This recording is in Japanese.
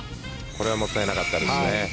これはもったいなかったですね。